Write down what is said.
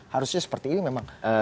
harusnya seperti ini memang